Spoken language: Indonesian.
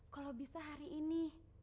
kalau bisa hari ini